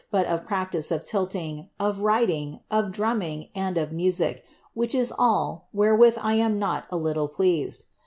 lit tif practice or tilling, or riding, of dtumining, and of auiu, which ii (II, rhpiewiih I am not a, little pleased.